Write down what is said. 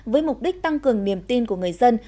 với mục đích tăng cường niềm tin của người dân